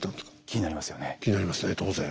気になりますね当然。